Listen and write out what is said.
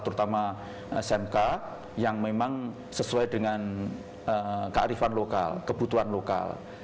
terutama smk yang memang sesuai dengan kearifan lokal kebutuhan lokal